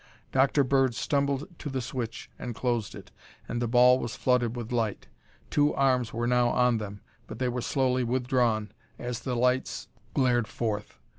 Dr. Bird stumbled to the switch and closed it, and the ball was flooded with light. Two arms were now on them but they were slowly withdrawn as the lights glared forth.